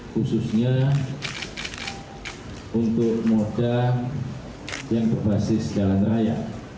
khususnya untuk moda yang berbasis jalan raya